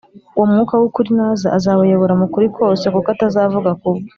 Uwo Mwuka w'ukuri naza, azabayobora mu kuri kose: kuko atazavuga ku bwe,